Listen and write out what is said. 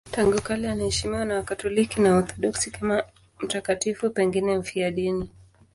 Tangu kale anaheshimiwa na Wakatoliki na Waorthodoksi kama mtakatifu, pengine mfiadini.